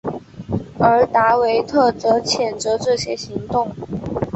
而达维特则谴责这些行动。